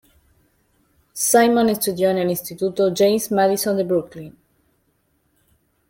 Simon estudió en el Instituto James Madison de Brooklyn.